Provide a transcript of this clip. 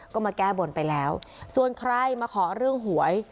ก็มาแก้บนไปแล้วส่วนใครมาขอเรื่องหวย